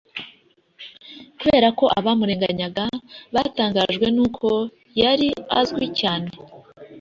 kubera ko abamurenganyaga, batangajwe n’uko yari azwi cyane,